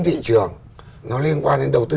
thị trường nó liên quan đến đầu tư